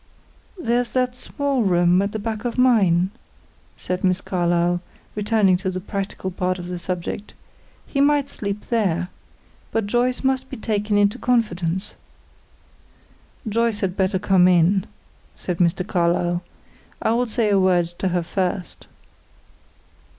"There's that small room at the back of mine," said Miss Carlyle, returning to the practical part of the subject. "He might sleep there. But Joyce must be taken in confidence." "Joyce had better come in," said Mr. Carlyle. "I will say a word to her first."